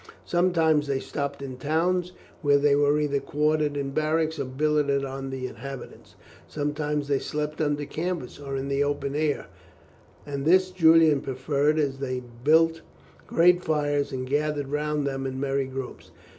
Sometimes they stopped in towns, where they were either quartered in barracks or billeted on the inhabitants; sometimes they slept under canvas or in the open air, and this Julian preferred, as they built great fires and gathered round them in merry groups.